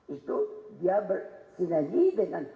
itu dia bersenjati dengan